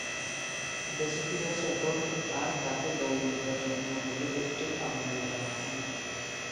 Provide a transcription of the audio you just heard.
দেশে ফিরে আসার পর আর তাকে দল নির্বাচকমণ্ডলী কর্তৃক আমন্ত্রণ জানানো হয়নি।